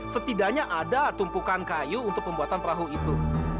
setidaknya ada tumpukan kayu untuk pembuatan perahu itu